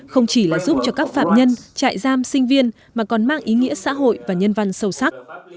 không chỉ là giúp cho các phạm nhân trại giam sinh viên mà còn mang ý nghĩa xã hội và nhân văn sâu sắc